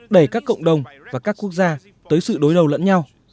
đẩy các cộng đồng và các quốc gia tới sự đối đầu lẫn nhau